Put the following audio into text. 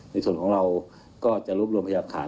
ในส่วนของเราก็จะรวบรวมพยากฐาน